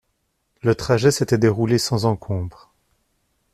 Le trajet s’était déroulé sans encombre.